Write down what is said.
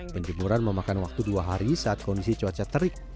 penjemuran memakan waktu dua hari saat kondisi cuaca terik